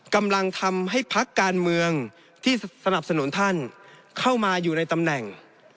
กำลังทำให้พักการเมืองที่สนับสนุนท่านเข้ามาอยู่ในตำแหน่ง